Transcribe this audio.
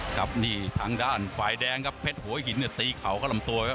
กลับทางด้านฝ่ายแดงครับเพชรหัวหินตีเข่าก็ลำตัว